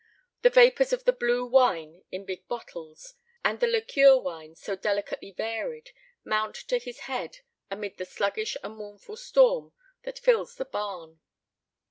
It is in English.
The vapors of the blue wine in big bottles, and the liqueur wines so delicately varied, mount to his head amid the sluggish and mournful storm that fills the barn.